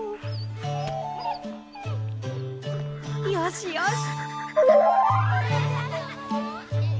よしよし。